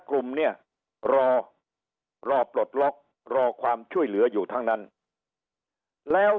กลุ่มเนี่ยรอรอปลดล็อกรอความช่วยเหลืออยู่ทั้งนั้นแล้ว